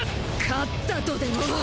勝ったとでも？